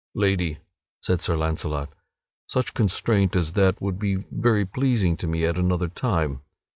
"Lady," said Sir Launcelot, "such constraint as that would be very pleasing to me at another time.